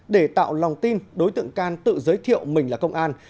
để tạo lòng tin đối tượng can tự giới thiệu mình là công an